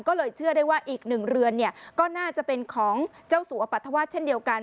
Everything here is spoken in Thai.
ก็เลยเชื่อได้ว่าอีกหนึ่งเรือนก็น่าจะเป็นของเจ้าสู่ปฏธวาสเช่นเดียวกัน